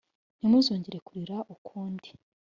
ntimuzongera kurira ukundi.